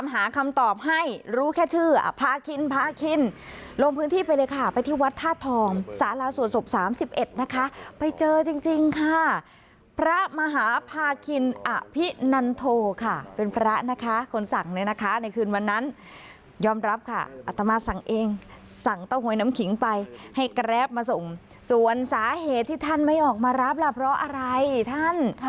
ให้แกร๊บมาส่งส่วนสาเหตุที่ท่านไม่ออกมารับล่ะเพราะอะไรท่าน